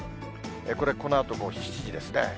これ、このあとの７時ですね。